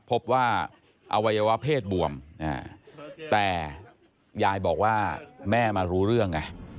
พบว่าอวัยวะเพศบวมแต่ยายบอกว่าแม่มารู้เรื่องไง